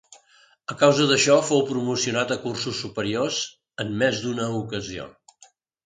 A causa d'això, fou promocionat a cursos superiors en més d'una ocasió.